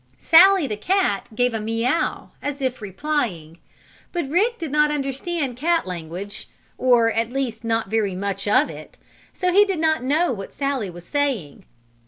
Sallie, the cat, gave a meaouw as if replying, but Rick did not understand cat language, or at least not very much of it, so he did not know what Sallie was saying.